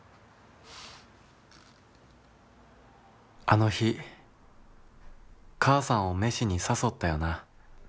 「あの日母さんを飯に誘ったよな。